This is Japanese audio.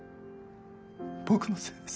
僕のせいです。